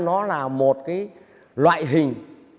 nó là một cái loại hình